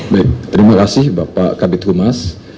baik terima kasih bapak kabit humas